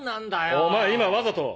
お前今わざと！